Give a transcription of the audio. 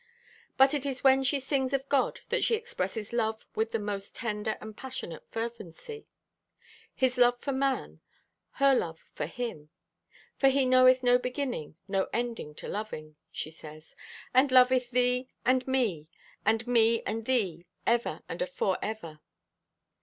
But it is when she sings of God that she expresses love with the most tender and passionate fervency—His love for man, her love for Him. "For He knoweth no beginning, no ending to loving," she says, "and loveth thee and me and me and thee ever and afore ever."